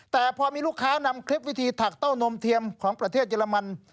แต่พอมีลูกค้านำคลิปวิธีถักเต้านมเทียมของประเทศเยอรมัน